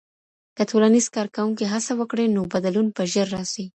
که ټولنیز کارکوونکي هڅه وکړي نو بدلون به ژر راسي.